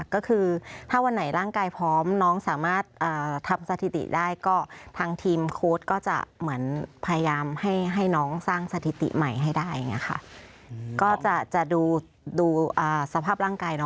ก็คือถ้าวันไหนร่างกายพร้อมน้องสามารถทำสถิติได้